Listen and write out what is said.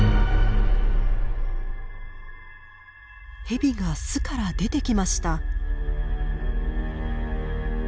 ヘビが巣から出てきました。